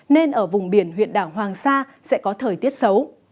nên ở vùng biển huyện đảo hoàng sa sẽ có thời tiết xấu